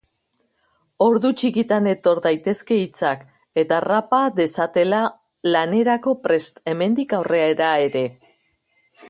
Ordu txikitan etor daitezke hitzak eta harrapa dezatela lanerako prest hemendik aurrera ere.